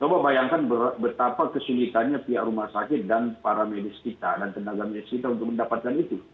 coba bayangkan betapa kesulitannya pihak rumah sakit dan para medis kita dan tenaga medis kita untuk mendapatkan itu